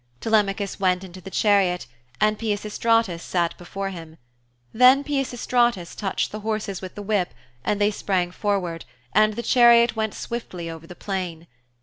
Telemachus went into the chariot and Peisistratus sat before him. Then Peisistratus touched the horses with the whip and they sprang forward, and the chariot went swiftly over the plain.